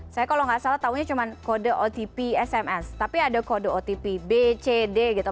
saya kalau nggak salah tahunya cuma kode otp sms tapi ada kode otp bcd gitu